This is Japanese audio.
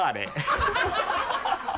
ハハハ